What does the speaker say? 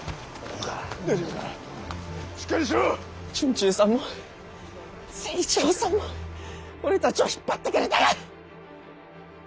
惇忠さんも成一郎さんも俺たちを引っ張ってくれたが。